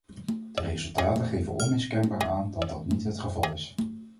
De resultaten geven onmiskenbaar aan dat dat niet het geval is.